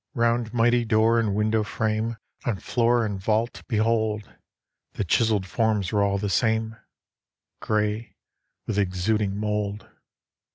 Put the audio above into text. Round mighty door and window frame, On floor and vault, behold, The chiselled forms were all the same Gray with exuding mold.